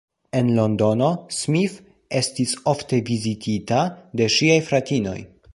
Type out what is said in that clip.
En Londono, Smith estis ofte vizitita de ŝiaj fratinoj.